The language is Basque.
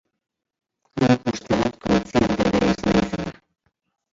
Nik uste dut kontziente ere ez naizela.